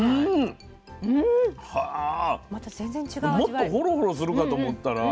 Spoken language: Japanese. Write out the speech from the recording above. もっとホロホロするかと思ったら。